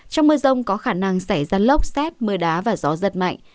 trong mưa rồng có khả năng xảy ra lốc xét mưa đá và gió rất mạnh